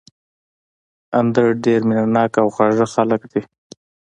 اندړ ډېر مېنه ناک او خواږه خلک دي